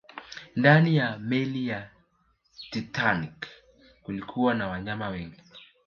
Ndani ya meli ya Titanic kulikuwa na wanyama wengi